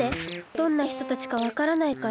どんなひとたちかわからないから。